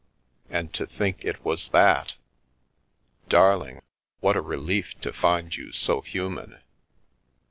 And to think it was that — darling, what a relief to find you so human